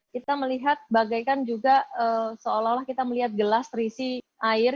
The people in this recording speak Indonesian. kita melihat bagaikan juga seolah olah kita melihat gelas terisi air